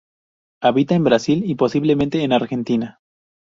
Habita en Brasil y posiblemente en Argentina.